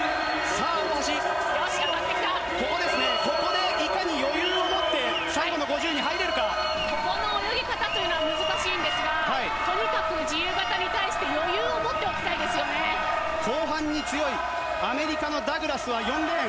ここでいかに余裕を持って、ここの泳ぎ方というのは難しいんですが、とにかく自由形に対して余裕を持っておきたいですよ後半に強いアメリカのダグラスは４レーン。